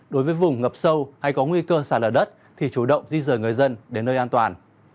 đối với vùng ngập sâu hay có nguy cơ xả lở đất thì chủ động di rời người dân đến nơi an toàn